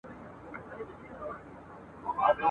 ایوب خان به خېمې درولي وې.